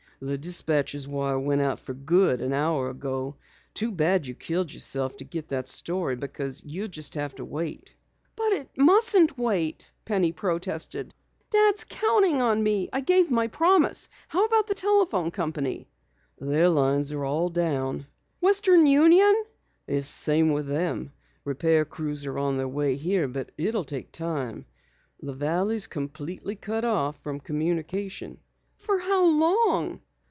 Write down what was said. "The Dispatcher's wire went out for good over an hour ago. Too bad you killed yourself to get that story, because it will have to wait." "But it mustn't wait," Penny protested. "Dad's counting on me. I gave my promise. How about the telephone company?" "Their lines are all down." "Western Union?" "It's the same with them. Repair crews are on their way here but it will take time. The valley's completely cut off from communication." "For how long?"